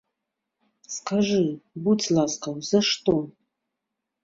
Скажы, будзь ласкаў, за што?